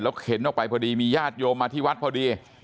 เข็นออกไปพอดีมีญาติโยมมาที่วัดพอดี